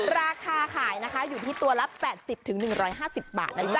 ราคาขายนะคะอยู่ที่ตัวละ๘๐๑๕๐บาทนะจ๊